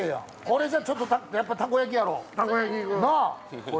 これじゃちょっとやっぱたこ焼きいく？